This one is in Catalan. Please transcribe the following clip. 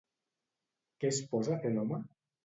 Què es posa a fer l'home?